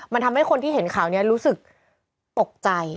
มันทำให้คนที่เห็นข่าวนี้รู้สึกตกใจ